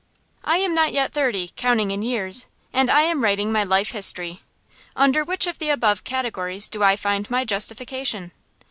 I am not yet thirty, counting in years, and I am writing my life history. Under which of the above categories do I find my justification?